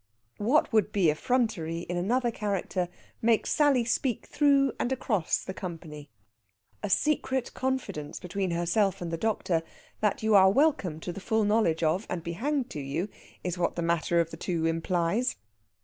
What would be effrontery in another character makes Sally speak through and across the company. A secret confidence between herself and the doctor, that you are welcome to the full knowledge of, and be hanged to you! is what the manner of the two implies.